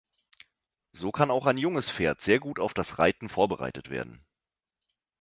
So kann auch ein junges Pferd sehr gut auf dass Reiten vorbereitet werden.